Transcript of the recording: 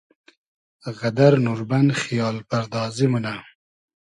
غئدئر نوربئن خییال پئردازی مونۂ